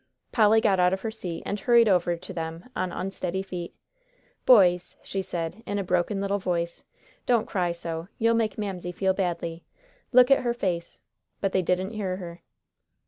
Polly got out of her seat and hurried over to them on unsteady feet. "Boys," she said in a broken little voice, "don't cry so. You make Mamsie feel badly. Look at her face." But they didn't hear her.